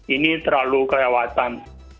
ini terlalu kelewatan